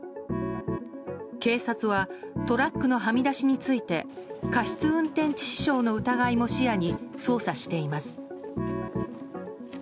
警察はトラックのはみ出しについて過失運転致死傷の疑いも視野に捜査しています。